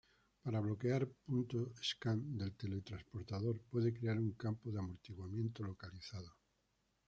Para bloquear punto Scan del teletransportador, puede crear un campo de amortiguamiento localizado.